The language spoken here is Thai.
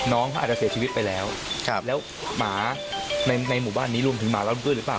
น้องเขาอาจจะเสียชีวิตไปแล้วแล้วหมาในหมู่บ้านนี้รวมถึงหมาแล้วด้วยหรือเปล่า